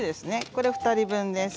これは２人分です。